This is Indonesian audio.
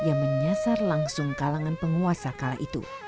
yang menyasar langsung kalangan penguasa kala itu